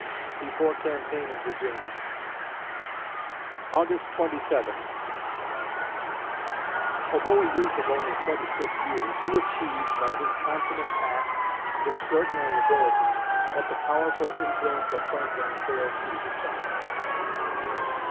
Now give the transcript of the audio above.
(Before Campaign in Virginia) August Twenty Seventh Although a youth of only twenty six years, he achieved, by his consummate tact and extraordinary abilities, what the powerful influence of Franklin failed to effect.